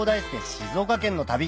静岡県の旅